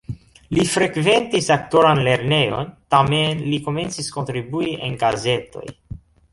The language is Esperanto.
Li frekventis aktoran lernejon, tamen li komencis kontribui en gazetoj.